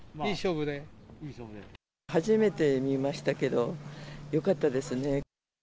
初めて見ましたけど、よかったですね。